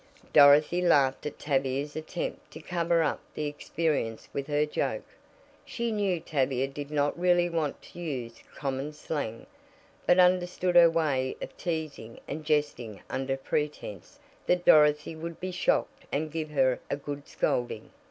Dorothy laughed at Tavia's attempt to cover up the experience with her joke. She knew Tavia did not really want to use common slang, but understood her way of teasing and jesting under pretense that Dorothy would be shocked and give her a "good scolding."